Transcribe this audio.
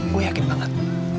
gue yakin banget